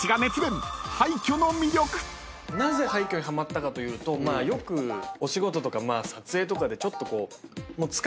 なぜ廃墟にハマったかというとよくお仕事とか撮影とかでちょっとこう。